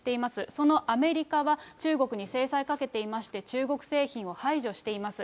そのアメリカは中国に制裁かけていまして、中国製品を排除しています。